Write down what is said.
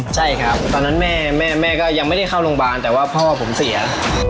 ใช่ครับตอนนั้นแม่ก็ยังไม่ได้เข้าโรงพยาบาลแต่ว่าพ่อผมเสีย